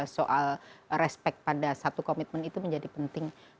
soal respect pada satu komitmen itu menjadi penting